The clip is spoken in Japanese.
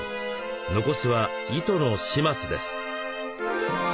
残すは糸の始末です。